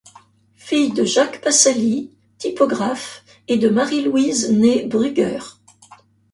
Fille de Jacques Passalli, typographe, et de Marie-Louise, née Brügger.